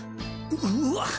うわっ！